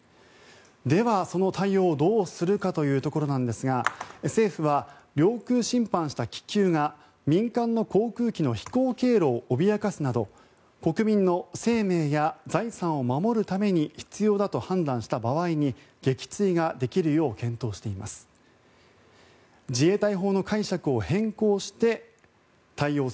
では、その対応をどうするかというところなんですが政府は領空侵犯した気球が民間の航空機の飛行経路を脅かすなど国民の生命や財産を守るために必要だと判断した場合に撃墜ができるよう検討しています。